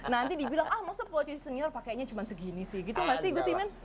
nanti dibilang ah maksudnya politisi senior pakainya cuma segini sih gitu gak sih gus imin